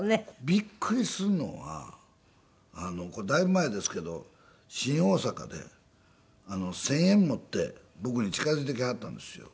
びっくりするのはこれだいぶ前ですけど新大阪で１０００円持って僕に近づいてきはったんですよ。